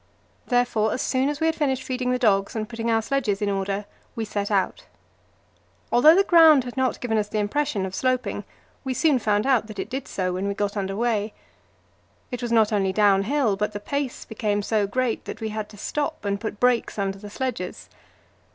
Therefore, as soon as we had finished feeding the dogs and putting our sledges in order, we set out. Although the ground had not given us the impression of sloping, we soon found out that it did so when we got under way. It was not only downhill, but the pace became so great that we had to stop and put brakes under the sledges.